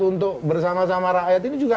untuk bersama sama rakyat